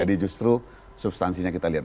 jadi justru substansinya kita lihat